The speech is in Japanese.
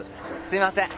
すいません。